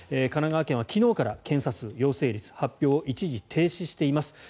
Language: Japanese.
神奈川県は昨日から検査数、陽性率の発表を一時停止しています。